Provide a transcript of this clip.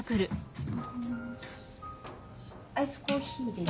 アイスコーヒーです。